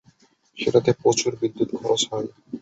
সেটাতে প্রচুর বিদ্যুৎ খরচ হয়।